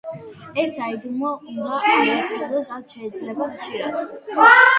ეს საიდუმლო უნდა აღესრულოს რაც შეიძლება ხშირად.